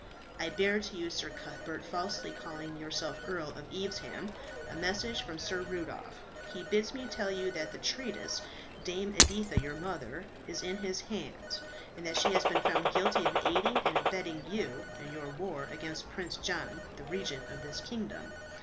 "I bear to you, Sir Cuthbert, falsely calling yourself Earl of Evesham, a message from Sir Rudolph. He bids me tell you that the traitress, Dame Editha, your mother, is in his hands, and that she has been found guilty of aiding and abetting you in your war against Prince John, the Regent of this kingdom.